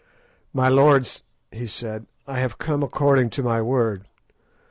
"My lords," he said, "I have come according to my word.